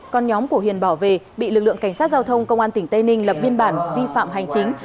con nhóm của hiền bảo vệ bị lực lượng cảnh sát giao thông công an tỉnh tây ninh lập biên bản vi phạm hành chính